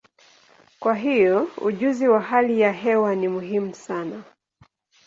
Kwa hiyo, ujuzi wa hali ya hewa ni muhimu sana.